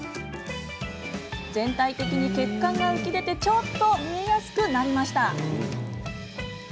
全体的に血管が浮き出てちょっと見えやすくなりました。